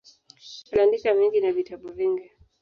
Aliandika mengi na vitabu vingi.